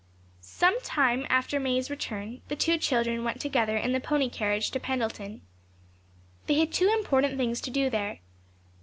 Some little time after May's return, the two children went together in the pony carriage to Pendleton. They had two important things to do there.